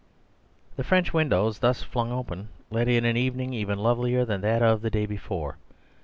The French windows, thus flung open, let in an evening even lovelier than that of the day before.